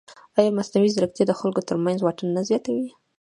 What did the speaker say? ایا مصنوعي ځیرکتیا د خلکو ترمنځ واټن نه زیاتوي؟